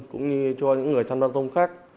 cũng như cho những người giao thông